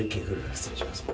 失礼します。